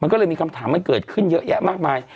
ก็เลยมีคำถามมันเกิดขึ้นเยอะแยะมากมาย